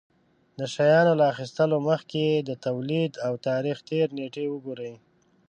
د شيانو له اخيستلو مخکې يې د توليد او تاريختېر نېټې وگورئ.